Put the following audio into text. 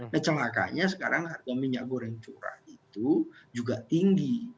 nah celakanya sekarang harga minyak goreng curah itu juga tinggi